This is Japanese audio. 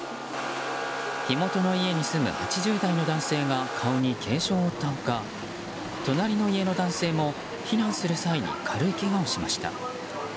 火元の家に住む８０代の男性が顔に軽傷を負った他隣の家の男性も避難する際に軽いけがをしました。